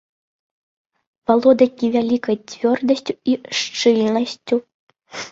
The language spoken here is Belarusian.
Валодае невялікай цвёрдасцю і шчыльнасцю.